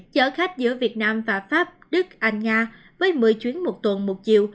chở khách giữa việt nam và pháp đức anh nga với một mươi chuyến một tuần một chiều